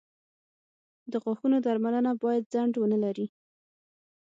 • د غاښونو درملنه باید ځنډ ونه لري.